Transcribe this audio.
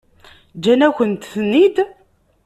Ǧǧan-akent-ten-id.